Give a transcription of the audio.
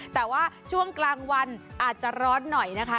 แต่ว่าช่วงกลางวันอาจจะร้อนหน่อยนะคะ